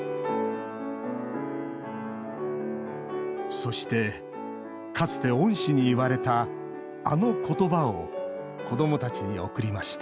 そして、かつて恩師に言われたあのことばを子どもたちに送りました